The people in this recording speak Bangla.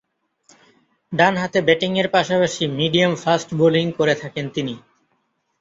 ডানহাতে ব্যাটিংয়ের পাশাপাশি মিডিয়াম ফাস্ট বোলিং করে থাকেন তিনি।